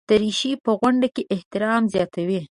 دریشي په غونډو کې احترام زیاتوي.